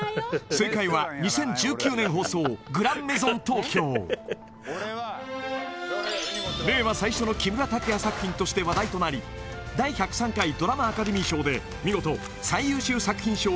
正解は２０１９年放送「グランメゾン東京」令和最初の木村拓哉作品として話題となり第１０３回ドラマアカデミー賞で見事最優秀作品賞を含む